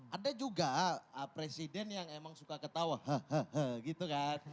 ada juga presiden yang emang suka ketawa gitu kan